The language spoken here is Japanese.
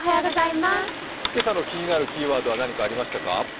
今朝の気になるキーワードは何かありましたか？